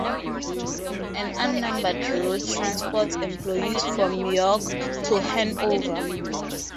An unnumbered route transports employees from York to Hanover.